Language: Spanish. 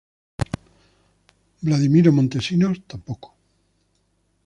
Vladimiro Montesinos, tampoco.